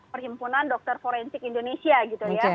perhimpunan dokter forensik indonesia gitu ya